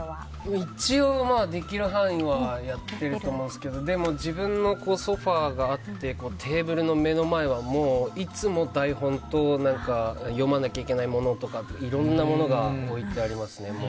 一応、できる範囲はやっていると思うんですけどでも、自分のソファがあってテーブルの目の前はいつも台本と読まなきゃいけないものとかいろんなものが置いてありますね。